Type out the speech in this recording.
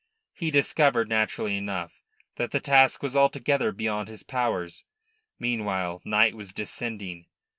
He discovered, naturally enough, that the task was altogether beyond his powers. Meanwhile night was descending.